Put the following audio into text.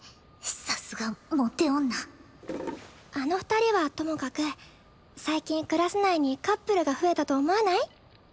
さすがモテ女あの二人はともかく最近クラス内にカップルが増えたと思わない？